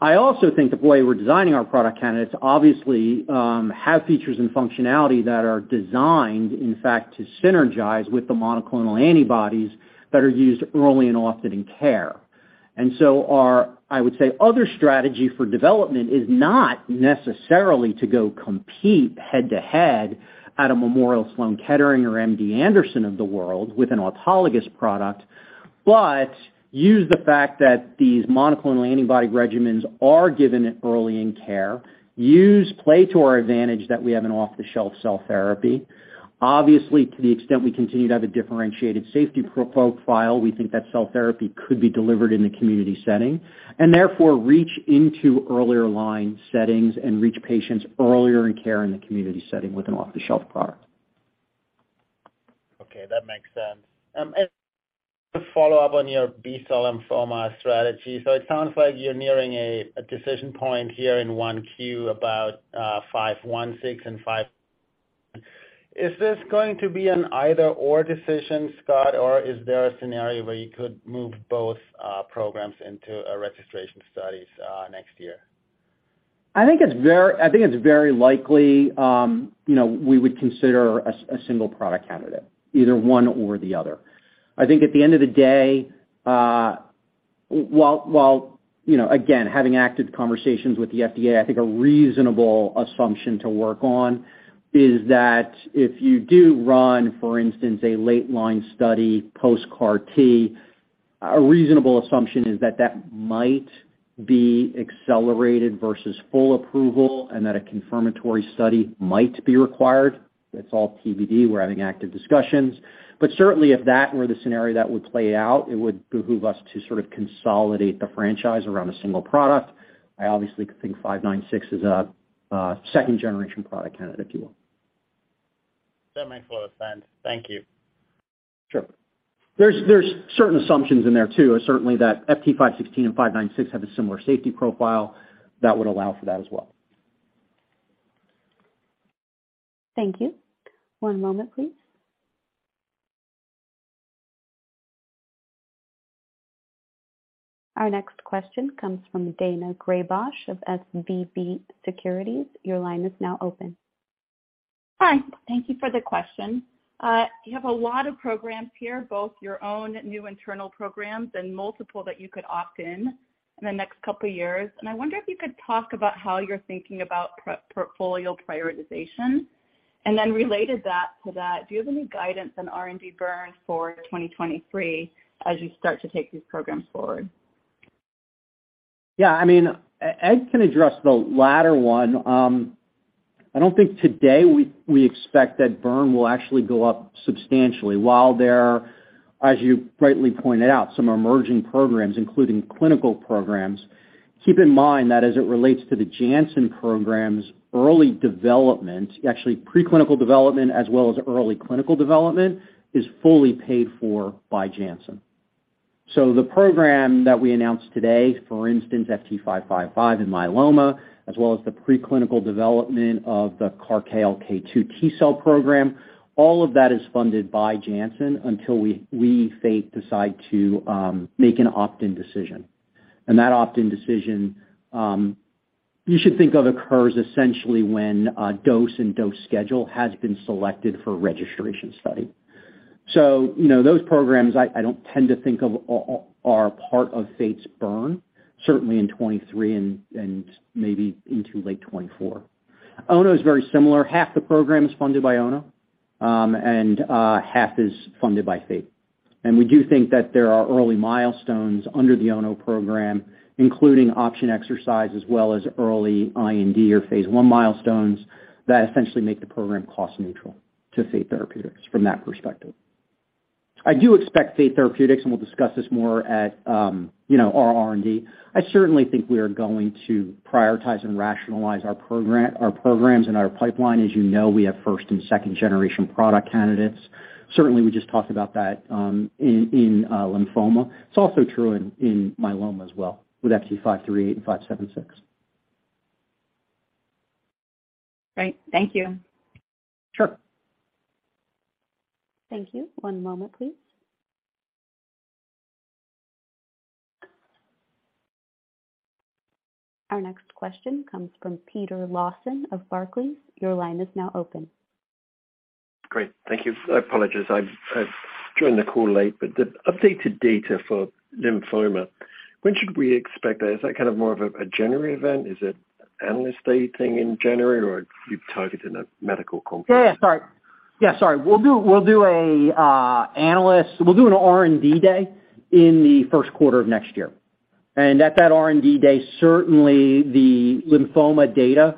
I also think the way we're designing our product candidates obviously have features and functionality that are designed, in fact, to synergize with the monoclonal antibodies that are used early and often in care. Our, I would say, other strategy for development is not necessarily to go compete head to head at a Memorial Sloan Kettering or MD Anderson of the world with an autologous product, but use the fact that these monoclonal antibody regimens are given early in care, use play to our advantage that we have an off-the-shelf cell therapy. Obviously, to the extent we continue to have a differentiated safety profile, we think that cell therapy could be delivered in the community setting. Therefore, reach into earlier line settings and reach patients earlier in care in the community setting with an off-the-shelf product. Okay, that makes sense. To follow up on your B-cell lymphoma strategy. It sounds like you're nearing a decision point here in 1Q about FT516 and FT5. Is this going to be an either/or decision, Scott, or is there a scenario where you could move both programs into registration studies next year? I think it's very likely, you know, we would consider a single product candidate, either one or the other. I think at the end of the day, while you know, again, having active conversations with the FDA, I think a reasonable assumption to work on is that if you do run, for instance, a late line study post-CAR T, a reasonable assumption is that that might be accelerated versus full approval and that a confirmatory study might be required. That's all TBD. We're having active discussions. Certainly if that were the scenario that would play out, it would behoove us to sort of consolidate the franchise around a single product. I obviously think FT596 is a second-generation product candidate, if you will. That makes a lot of sense. Thank you. Sure. There's certain assumptions in there too. Certainly that FT516 and FT596 have a similar safety profile that would allow for that as well. Thank you. One moment, please. Our next question comes from Daina Graybosch of SVB Securities. Your line is now open. Hi. Thank you for the question. You have a lot of programs here, both your own new internal programs and multiple that you could opt in in the next couple of years. I wonder if you could talk about how you're thinking about portfolio prioritization. Related to that, do you have any guidance on R&D burn for 2023 as you start to take these programs forward? Yeah, I mean, Ed can address the latter one. I don't think today we expect that burn will actually go up substantially. While there are, as you rightly pointed out, some emerging programs, including clinical programs. Keep in mind that as it relates to the Janssen programs, early development, actually pre-clinical development as well as early clinical development, is fully paid for by Janssen. So the program that we announced today, for instance, FT555 in myeloma, as well as the pre-clinical development of the CAR KLK2 T-cell program, all of that is funded by Janssen until we, Fate, decide to make an opt-in decision. That opt-in decision you should think of occurs essentially when a dose and dose schedule has been selected for registration study. You know, those programs I don't tend to think of are part of Fate's burn, certainly in 2023 and maybe into late 2024. Ono is very similar. Half the program is funded by Ono, and half is funded by Fate. We do think that there are early milestones under the Ono program, including option exercise as well as early IND or phase I milestones that essentially make the program cost neutral to Fate Therapeutics from that perspective. I do expect Fate Therapeutics, and we'll discuss this more at, you know, our R&D. I certainly think we are going to prioritize and rationalize our programs and our pipeline. As you know, we have first and second generation product candidates. Certainly, we just talked about that in lymphoma. It's also true in myeloma as well with FT536 and FT576. Great. Thank you. Sure. Thank you. One moment, please. Our next question comes from Peter Lawson of Barclays. Your line is now open. Great. Thank you. I apologize. I've joined the call late, but the updated data for lymphoma, when should we expect that? Is that kind of more of a January event? Is it analyst day thing in January, or you've targeted a medical conference? Sorry. We'll do an R&D day in the first quarter of next year. At that R&D day, certainly the lymphoma data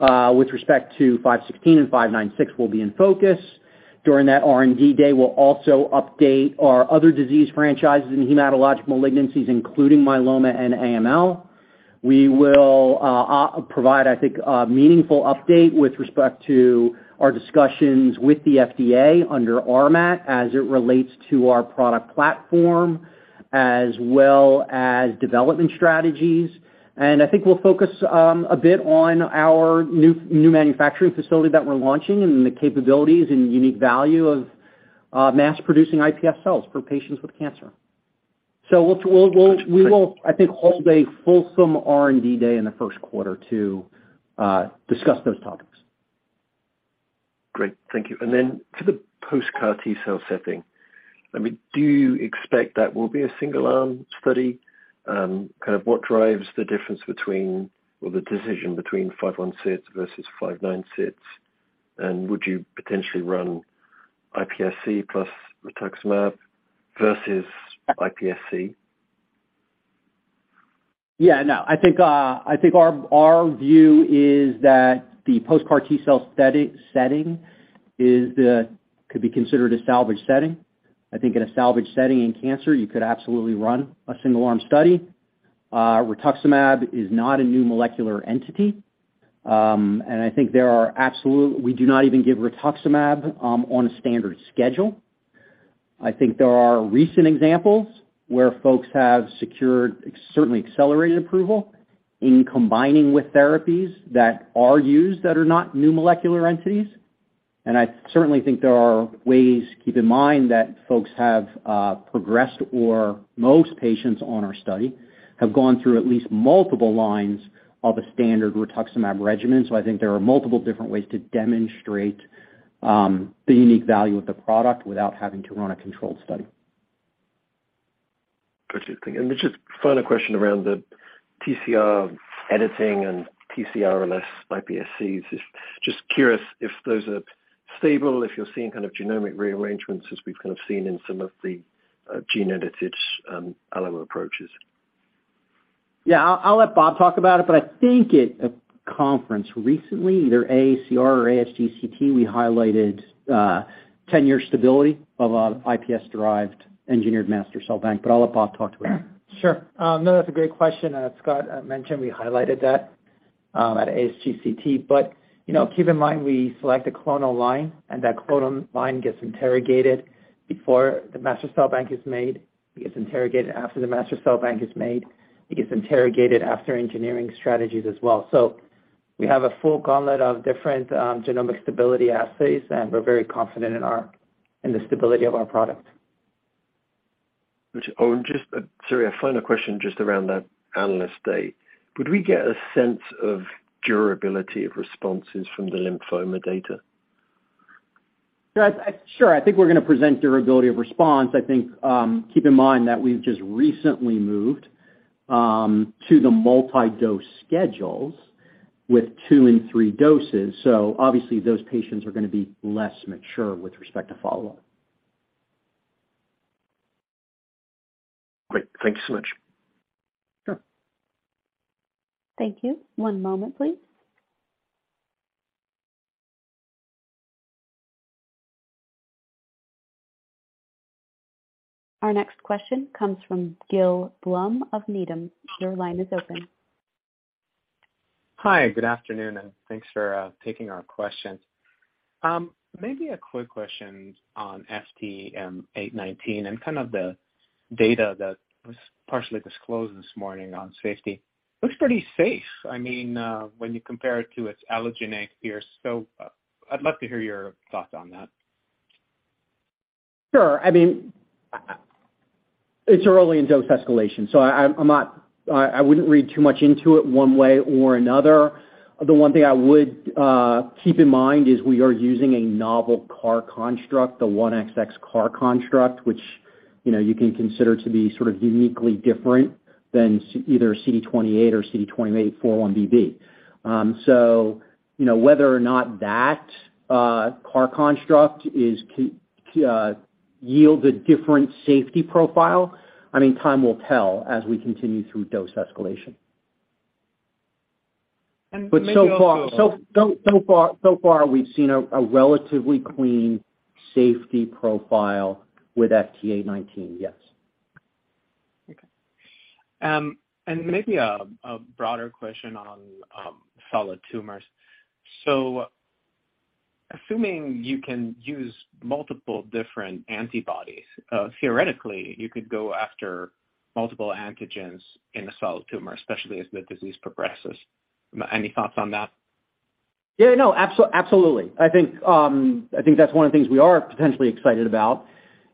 with respect to FT516 and FT596 will be in focus. During that R&D day, we'll also update our other disease franchises in hematologic malignancies, including myeloma and AML. We will provide, I think, a meaningful update with respect to our discussions with the FDA under RMAT as it relates to our product platform as well as development strategies. I think we'll focus a bit on our new manufacturing facility that we're launching and the capabilities and unique value of mass producing iPSC cells for patients with cancer. We'll hold a fulsome R&D day in the first quarter to discuss those topics. Great. Thank you. Then for the post-CAR T-cell setting, I mean, do you expect that will be a single arm study? Kind of what drives the difference between or the decision between FT516 versus FT596? Would you potentially run iPSC plus rituximab versus iPSC? Yeah. No, I think our view is that the post-CAR T-cell setting could be considered a salvage setting. I think in a salvage setting in cancer, you could absolutely run a single arm study. rituximab is not a new molecular entity. We do not even give rituximab on a standard schedule. I think there are recent examples where folks have secured, certainly, accelerated approval in combining with therapies that are used that are not new molecular entities. I certainly think there are ways, keep in mind, that folks have progressed or most patients on our study have gone through at least multiple lines of a standard rituximab regimen. I think there are multiple different ways to demonstrate the unique value of the product without having to run a controlled study. Got you. Just a final question around the TCR editing and TCRless iPSCs. Just curious if those are stable, if you're seeing kind of genomic rearrangements as we've kind of seen in some of the gene-edited allo approaches. Yeah. I'll let Bob talk about it, but I think at a conference recently, either AACR or ASGCT, we highlighted ten-year stability of a iPSC-derived engineered master cell bank, but I'll let Bob talk to it. Sure. No, that's a great question. As Scott mentioned, we highlighted that at ASGCT. You know, keep in mind we select a clonal line, and that clonal line gets interrogated before the master cell bank is made. It gets interrogated after the master cell bank is made. It gets interrogated after engineering strategies as well. We have a full gauntlet of different genomic stability assays, and we're very confident in our, in the stability of our product. Sorry, a final question just around that analyst day. Could we get a sense of durability of responses from the lymphoma data? Yeah. Sure. I think we're gonna present durability of response. I think, keep in mind that we've just recently moved, to the multi-dose schedules with two and three doses, so obviously those patients are gonna be less mature with respect to follow-up. Great. Thank you so much. Sure. Thank you. One moment, please. Our next question comes from Gil Blum of Needham. Your line is open. Hi. Good afternoon, and thanks for taking our question. Maybe a quick question on FT819 and kind of the data that was partially disclosed this morning on safety. Looks pretty safe, I mean, when you compare it to its Allogene peers. I'd love to hear your thoughts on that. Sure. I mean, it's early in dose escalation, so I wouldn't read too much into it one way or another. The one thing I would keep in mind is we are using a novel CAR construct, the 1XX CAR construct, which, you know, you can consider to be sort of uniquely different than either CD28 or CD28 4-1BB. So, you know, whether or not that CAR construct yields a different safety profile, I mean, time will tell as we continue through dose escalation. And maybe also- So far we've seen a relatively clean safety profile with FT819. Yes. Okay. Maybe a broader question on solid tumors. Assuming you can use multiple different antibodies, theoretically, you could go after multiple antigens in a solid tumor, especially as the disease progresses. Any thoughts on that? Yeah, no, absolutely. I think that's one of the things we are potentially excited about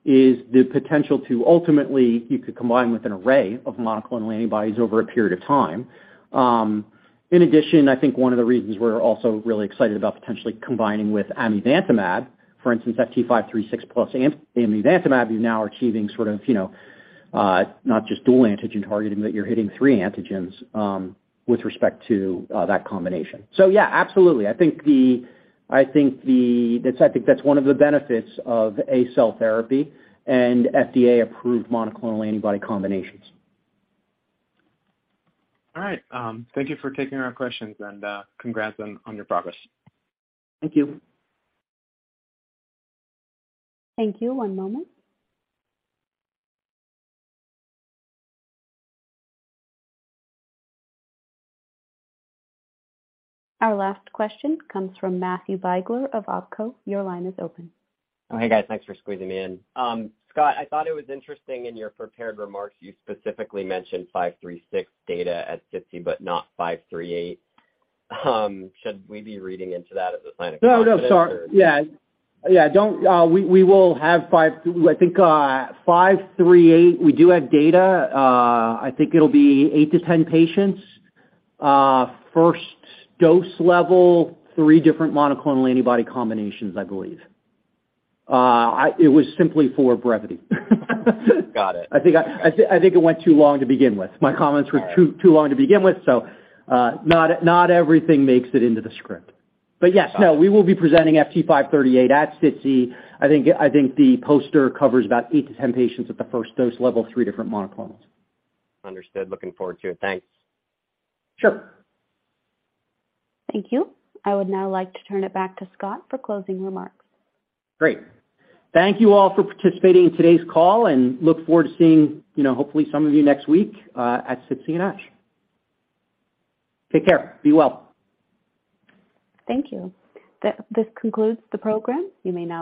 is the potential to ultimately you could combine with an array of monoclonal antibodies over a period of time. In addition, I think one of the reasons we're also really excited about potentially combining with amivantamab, for instance, FT536 plus amivantamab, you're now achieving sort of, you know, not just dual antigen targeting, but you're hitting three antigens, with respect to that combination. Yeah, absolutely. I think that's one of the benefits of a cell therapy and FDA-approved monoclonal antibody combinations. All right. Thank you for taking our questions, and congrats on your progress. Thank you. Thank you. One moment. Our last question comes from Matthew Biegler of Oppenheimer & Co. Your line is open. Oh, hey, guys. Thanks for squeezing me in. Scott, I thought it was interesting in your prepared remarks you specifically mentioned five three six data at 50 but not five three eight. Should we be reading into that as a sign of confidence or- No, sorry. Yeah. We will have FT538, we do have data. I think it'll be eight-10 patients. First dose level, three different monoclonal antibody combinations, I believe. It was simply for brevity. Got it. I think it went too long to begin with. My comments were too long to begin with, so not everything makes it into the script. Got it. Yes. No, we will be presenting FT538 at SITC. I think the poster covers about eight-10 patients at the first dose level, three different monoclonals. Understood. Looking forward to it. Thanks. Sure. Thank you. I would now like to turn it back to Scott for closing remarks. Great. Thank you all for participating in today's call, and look forward to seeing, you know, hopefully some of you next week at SITC and ASH. Take care. Be well. Thank you. This concludes the program. You may disconnect.